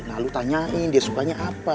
nah lo tanyain dia sukanya apa